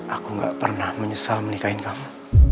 aku gak pernah menyesal menikahin kamu